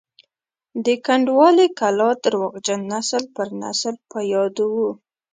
د کنډوالې کلا درواغجن نسل پر نسل په یادو وو.